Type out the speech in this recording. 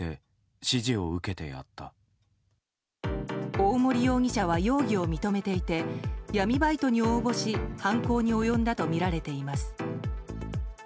大森容疑者は容疑を認めていて闇バイトに応募し犯行に及んだとみられています。